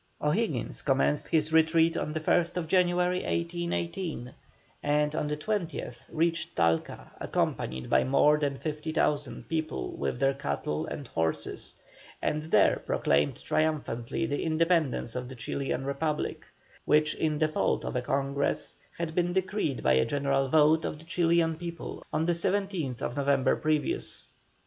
O'Higgins commenced his retreat on the 1st January, 1818, and on the 20th reached Talca, accompanied by more than 50,000 people with their cattle and horses, and there proclaimed triumphantly the Independence of the Chilian Republic, which, in default of a Congress, had been decreed by a general vote of the Chilian people on the 17th November previous.